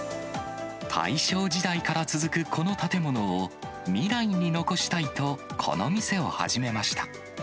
大正時代から続くこの建物を、未来に残したいと、この店を始めました。